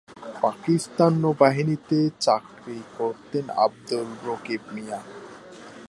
পাকিস্তান নৌবাহিনীতে চাকরি করতেন আবদুর রকিব মিয়া।